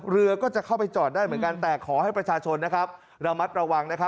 เรือก็จะเข้าไปจอดได้เหมือนกันแต่ขอให้ประชาชนนะครับระมัดระวัง